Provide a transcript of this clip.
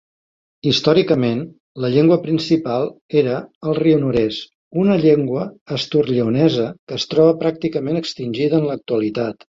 Històricament la llengua principal era el rionorés, una llengua asturlleonesa que es troba pràcticament extingida en l'actualitat.